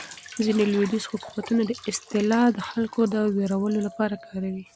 ځینې لویدیځ حکومتونه دا اصطلاح د خلکو د وېرولو لپاره کاروي.